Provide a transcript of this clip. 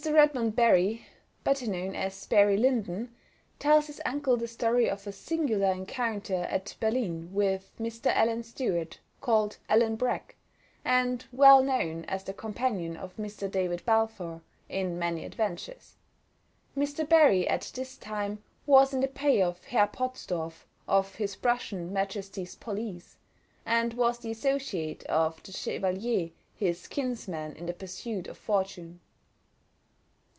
Redmond Barry (better known as Barry Lyndon) tells his uncle the story of a singular encounter at Berlin with Mr. Alan Stuart, called Alan Breck, and well known as the companion of Mr. David Balfour in many adventures. Mr. Barry, at this time, was in the pay of Herr Potzdorff, of his Prussian Majesty's Police, and was the associate of the Chevalier, his kinsman, in the pursuit of fortune.